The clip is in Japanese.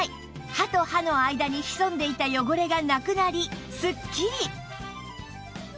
歯と歯の間に潜んでいた汚れがなくなりすっきり！